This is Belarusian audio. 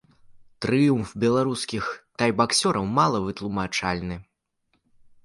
Трыумф беларускіх тайбаксёраў мала вытлумачальны.